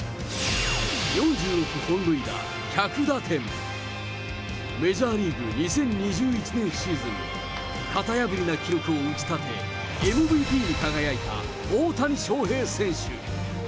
４６本塁打１００打点、メジャーリーグ２０２１年シーズンも型破りな記録を打ち立て、ＭＶＰに輝いた大谷翔平選手。